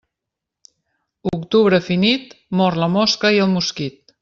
Octubre finit, mor la mosca i el mosquit.